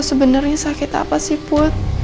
lo sebenernya sakit apa sih put